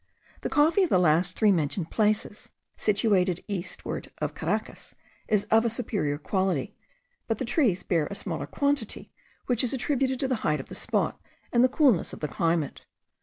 The coffee of the three last mentioned places, situated eastward of Caracas, is of a superior quality; but the trees bear a smaller quantity, which is attributed to the height of the spot and the coolness of the climate.